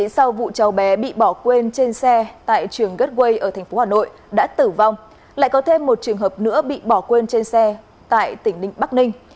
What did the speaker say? sau vụ cháu bé bị bỏ quên trên xe tại trường gateway ở tp hà nội đã tử vong lại có thêm một trường hợp nữa bị bỏ quên trên xe tại tỉnh bắc ninh